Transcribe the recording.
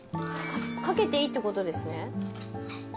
掛けていいってことですね。